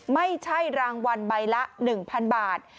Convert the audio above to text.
ไม่ใช่รางวัลใบละ๑๐๐๐บาท